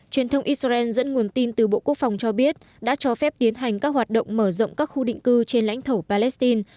truyền thông israel dẫn nguồn tin từ bộ quốc phòng cho biết đã cho phép tiến hành các hoạt động mở rộng các khu định cư trên lãnh thổ palestine